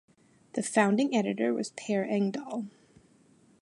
The founding editor was Per Engdahl.